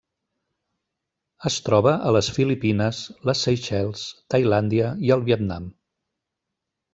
Es troba a les Filipines, les Seychelles, Tailàndia i el Vietnam.